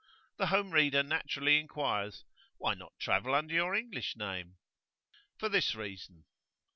The home reader naturally inquires, Why not travel under your English name? For this reason.